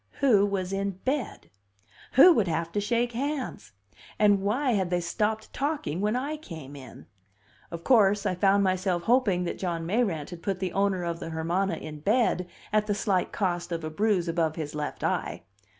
Who was in bed who would have to shake hands? And why had they stopped talking when I came in? Of course, I found myself hoping that John Mayrant had put the owner of the Hermana in bed at the slight cost of a bruise above his left eye.